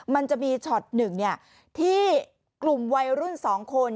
มันจะมีช็อตหนึ่งที่กลุ่มวัยรุ่น๒คน